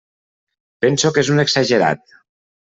Penso que és un exagerat.